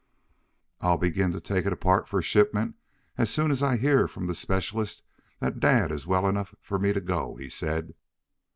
"I'll begin to take it apart for shipment, as soon as I hear from the specialist that dad is well enough for me to go," he said.